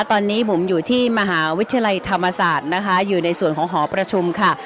ตอนนี้บุ๋มอยู่ที่มหาวิทยาลัยธรรมศาสตร์นะคะอยู่ในส่วนของหอประชุมค่ะ